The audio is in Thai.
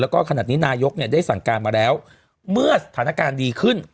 แล้วก็ขนาดนี้นายกเนี่ยได้สั่งการมาแล้วเมื่อสถานการณ์ดีขึ้น